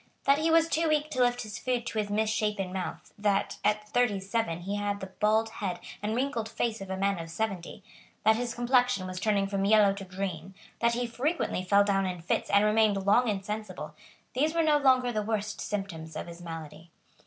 That he was too weak to lift his food to his misshapen mouth, that, at thirty seven, he had the bald head and wrinkled face of a man of seventy, that his complexion was turning from yellow to green, that he frequently fell down in fits and remained long insensible, these were no longer the worst symptoms of his malady.